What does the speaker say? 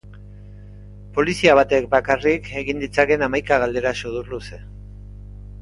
Polizia batek bakarrik egin ditzakeen hamaika galdera sudurluze.